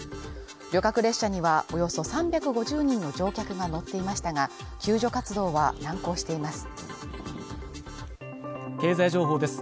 旅客列車にはおよそ３５０人の乗客が乗っていましたが、救助活動は難航しています。